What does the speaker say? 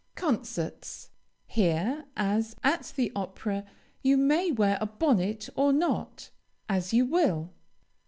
CONCERTS Here, as at the opera, you may wear a bonnet or not, as you will.